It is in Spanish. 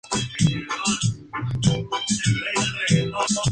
El pueblo en cambio se manifestaba en los movimientos sublevados.